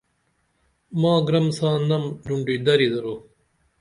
ماں گرم ساں نم ڈونڈیدری درو